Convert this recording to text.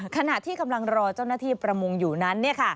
ขณะที่กำลังรอเจ้าหน้าที่ประมงอยู่นั้น